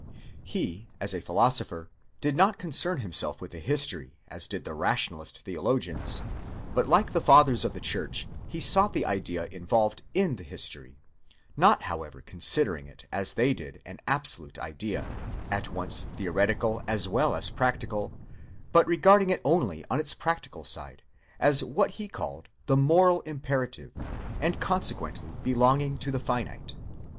He, as a philo sopher, did not concern himself with the history, as did the rationalist theolo gians, but like the fathers of the church, he sought the idea involved in the history: not however considering it as they did an absolute idea, at once theoretical as well as practical, but regarding it only on its practical side, as what he called 214 moral imperative and consequently belonging to the finite.